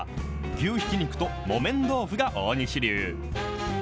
牛ひき肉と木綿豆腐が大西流。